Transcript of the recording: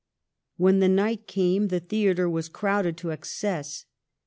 When the night came the theatre was crowded to excess.